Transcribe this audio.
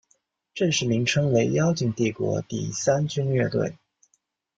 正式名称为妖精帝国第三军乐队。